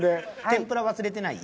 天ぷら忘れてない？